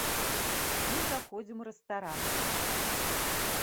Мы заходзім у рэстаран.